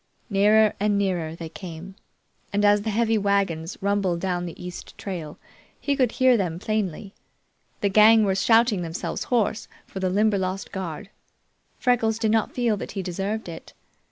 Nearer and nearer they came, and as the heavy wagons rumbled down the east trail he could hear them plainly. The gang were shouting themselves hoarse for the Limberlost guard. Freckles did not feel that he deserved it.